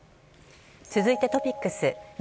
続いてトピックス。